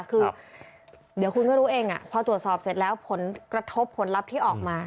คือเดี๋ยวคุณก็รู้เองพอตรวจสอบเสร็จแล้วผลกระทบผลลัพธ์ที่ออกมา